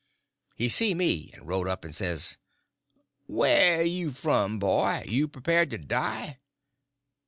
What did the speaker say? He see me, and rode up and says: "Whar'd you come f'm, boy? You prepared to die?"